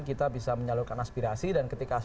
kita bisa menyalurkan aspirasi dan ketika